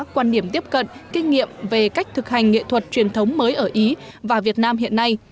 quan điểm tiếp cận kinh nghiệm về cách thực hành nghệ thuật truyền thống mới ở ý và việt nam hiện nay